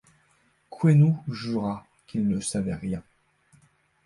Quenu jura qu’il ne savait rien.